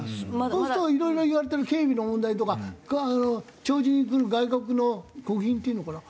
そうするといろいろ言われてる警備の問題とか弔事に来る外国の国賓っていうのかな。